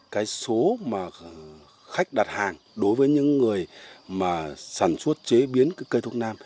cái số mà khách đặt hàng đối với những người mà sản xuất chế biến cây thuốc nam